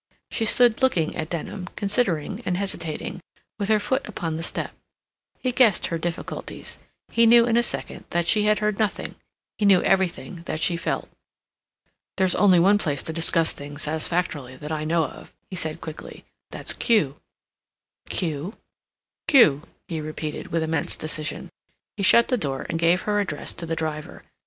She stood looking at Denham, considering and hesitating, with her foot upon the step. He guessed her difficulties; he knew in a second that she had heard nothing; he knew everything that she felt. "There's only one place to discuss things satisfactorily that I know of," he said quickly; "that's Kew." "Kew?" "Kew," he repeated, with immense decision. He shut the door and gave her address to the driver.